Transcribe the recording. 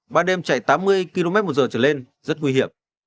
ban đêm chạy tám mươi kmh trở lên rất nguy hiểm